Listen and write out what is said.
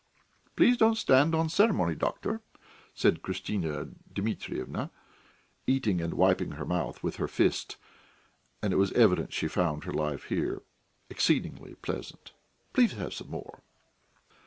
"Please don't stand on ceremony, doctor," said Christina Dmitryevna, eating and wiping her mouth with her fist, and it was evident she found her life here exceedingly pleasant. "Please have some more."